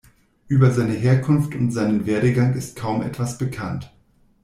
Über seine Herkunft und seinen Werdegang ist kaum etwas bekannt.